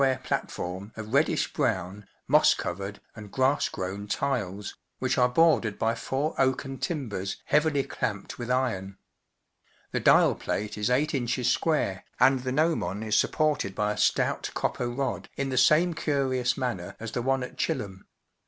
The pedestal is of oak, rusty black, set on a little square platform of reddish brown, moss covered, and grass grown tiles, which are bordered by four oaken timbers heavily clamped with iron, The dial plate is eight inches square, and the gnomon is supported by a stout copper rod in the same curious manner as the one at Chilham.